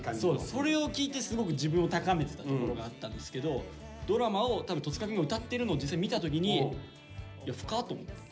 それを聴いてすごく自分を高めてたところがあったんですけど「ドラマ」を多分戸塚くんが歌ってるのを実際見た時に「いや深っ」と思って。